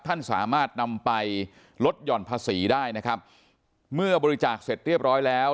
ท่านสามารถนำไปลดหย่อนภาษีได้นะครับเมื่อบริจาคเสร็จเรียบร้อยแล้ว